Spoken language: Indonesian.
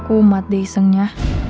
umat deh isengnya